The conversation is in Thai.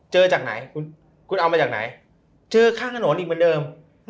จากไหนคุณเอามาจากไหนเจอข้างถนนอีกเหมือนเดิม